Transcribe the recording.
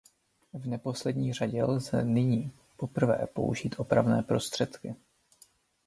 V neposlední řadě lze nyní poprvé použít opravné prostředky.